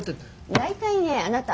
大体ねあなた